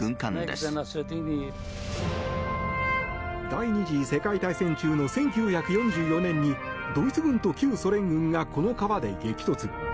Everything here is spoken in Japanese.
第２次世界大戦中の１９４４年にドイツ軍と旧ソ連軍がこの川で激突。